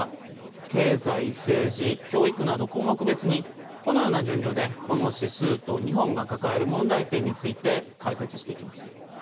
経済・政治・教育など項目別にこのような順序でこの指数と日本が抱える問題点について解説していきます。